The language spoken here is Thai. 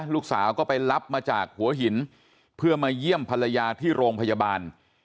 ลูกสาวก็ไปรับมาจากหัวหินเพื่อมาเยี่ยมภรรยาที่โรงพยาบาล